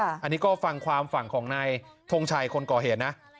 อันนี้ก็ฟังความฝั่งของนายทงชัยคนก่อเหตุนะ